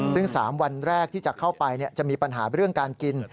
ซึ่ง๓วันแรกที่จะเข้าไปจะมีปัญหาเรื่องการกิน